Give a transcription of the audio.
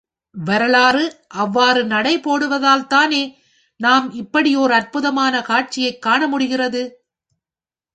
வரலாறு அவ்வாறு நடைபோடுவதால் தானே, நாம் இப்படி ஓர் அற்புதமான காட்சியைக் காண முடிகிறது?